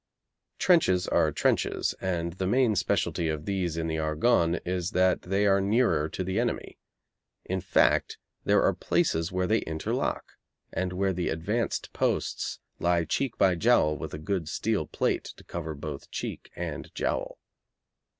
Trenches are trenches, and the main specialty of these in the Argonne is that they are nearer to the enemy. In fact there are places where they interlock, and where the advanced posts lie cheek by jowl with a good steel plate to cover both cheek and jowl.